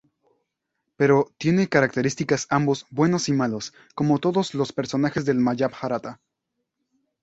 Pero, tiene características ambos buenos y malos, como todos los personajes del Majábharata.